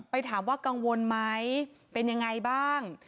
ไปถามว่ากังวลไหมเป็นยังไงบ้าง